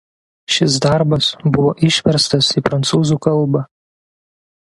Šis darbas buvo išverstas į prancūzų kalbą.